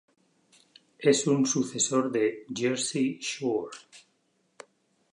Es un sucesor de "Jersey Shore".